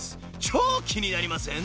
［超気になりません？